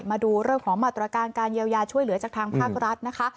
มาดูเรื่องของมาตรการการเยียวยาช่วยเหลือจากทางภาครัฐนะคะ